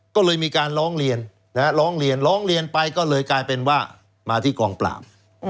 ก็เลยมีการร้องเรียนร้องเรียนร้องเรียนไปก็เลยกลายเป็นว่ามาที่กองปราบ